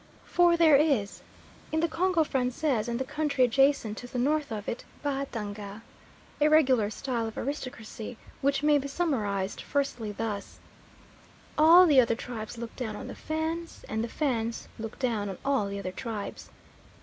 For there is, in the Congo Francais and the country adjacent to the north of it (Batanga), a regular style of aristocracy which may be summarised firstly thus: All the other tribes look down on the Fans, and the Fans look down on all the other tribes.